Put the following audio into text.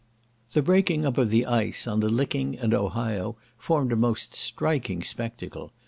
The breaking up of the ice, on the Licking and Ohio, formed a most striking spectacle.